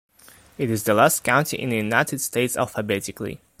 It is the last county in the United States alphabetically.